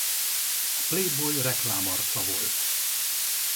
A Playboy reklámarca volt.